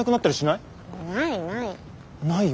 ないない。